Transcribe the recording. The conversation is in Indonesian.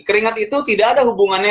keringat itu tidak ada hubungannya